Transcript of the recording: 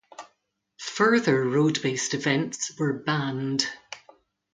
Further road based events were banned.